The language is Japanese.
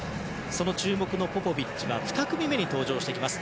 その注目のポポビッチは２組目の登場します。